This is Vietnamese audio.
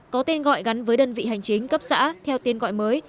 có tên gọi gắn với đơn vị hành chính cấp xã theo tên gọi mới